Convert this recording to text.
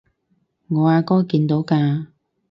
我阿哥見到㗎